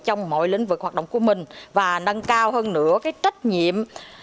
trong mọi lĩnh vực hoạt động của mình và nâng cao hơn nữa trách nhiệm